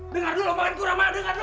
dengar dulu banganku rama dengar dulu